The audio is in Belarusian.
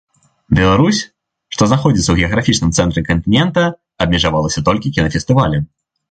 Беларусь, што знаходзіцца ў геаграфічным цэнтры кантынента, абмежавалася толькі кінафестывалем.